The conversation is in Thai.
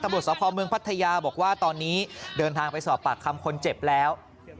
ตำรวจสภเมืองพัทยาบอกว่าตอนนี้เดินทางไปสอบปากคำคนเจ็บแล้ว